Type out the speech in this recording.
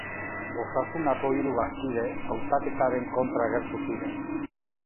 Osasunako hiru bazkide hautaketaren kontra agertu ziren.